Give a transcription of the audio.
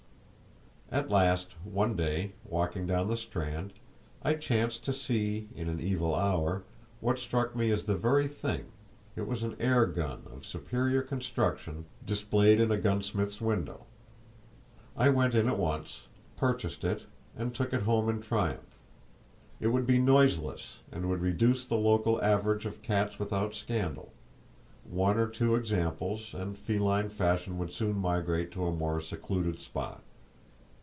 At last, one day, walking down the Strand, I chanced to see (in an evil hour) what struck me as the very thing: it was an air gun of superior construction, displayed in a gunsmith's window. I went in at once, purchased it, and took it home in triumph; it would be noiseless, and would reduce the local average of cats without scandal,—one or two examples,—and feline fashion would soon migrate to a more secluded spot.